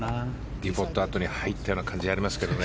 ディボット跡に入ったような感じがありますけどね。